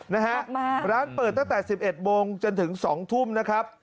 นะฮะร้านเปิดตั้งแต่๑๑โมงจนถึง๒ทุ่มนะครับ